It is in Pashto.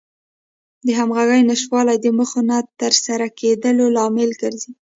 د همغږۍ نشتوالی د موخو نه تر سره کېدلو لامل ګرځي.